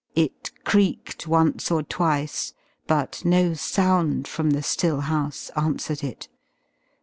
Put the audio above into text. It creaked once or twice, but no sound from the still house answered it.